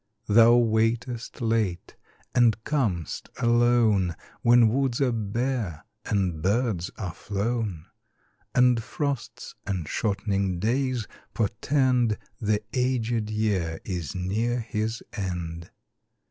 Thou waitest late and com'st alone, When woods are bare and birds are flown, And frosts and shortening days portend The aged year is near his end.